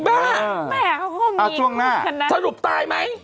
อิบ้าแม่ของมีงคุณคนนั้นช่องหน้าลูบตายไหม